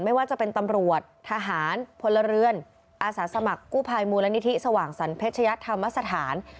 ไม่ว่าจะเป็นตำรวจทหารพลเรือนอาสาสมัครกู้ภัยมูลนิธิสว่างสรรเพชยธรรมสถาน